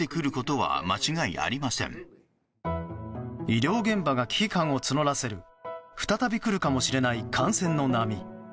医療現場が危機感を募らせる再び来るかもしれない感染の波。